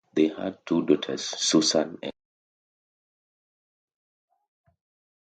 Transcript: They had two daughters, Susan and Sandra.